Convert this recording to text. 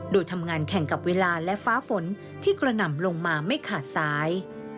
โดยทำงานแข่งกับเวลาและฟ้าฝนที่กระหน่ำลงมาไม่ขาดสาย